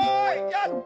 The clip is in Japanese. やった！